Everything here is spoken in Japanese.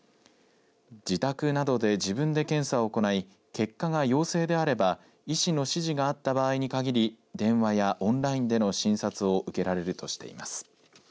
自宅などで自分で検査を行い結果が陽性であれば医師の指示があった場合に限り電話やオンラインでの診察を受けられるとしています。